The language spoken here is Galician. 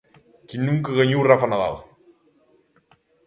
Que nunca gañou Rafa Nadal.